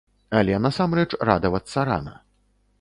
Але насамрэч радавацца рана.